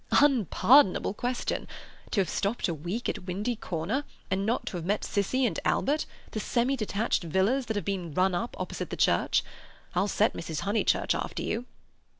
"Unpardonable question! To have stopped a week at Windy Corner and not to have met Cissie and Albert, the semi detached villas that have been run up opposite the church! I'll set Mrs. Honeychurch after you."